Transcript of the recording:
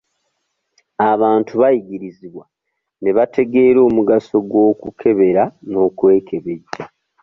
Abantu bayigirizibwa ne bategeera omugaso gw'okukebera n'okwekebejja.